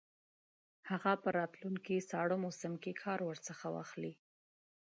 هغه په راتلونکي ساړه موسم کې کار ورڅخه واخلي.